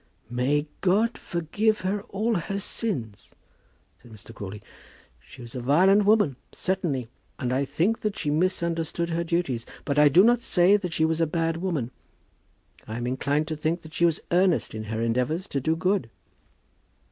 "May God forgive her all her sins," said Mr. Crawley. "She was a violent woman, certainly, and I think that she misunderstood her duties; but I do not say that she was a bad woman. I am inclined to think that she was earnest in her endeavours to do good."